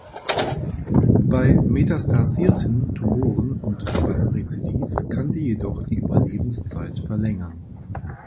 Bei metastasierten Tumoren und beim Rezidiv kann sie jedoch die Überlebenszeit verlängern.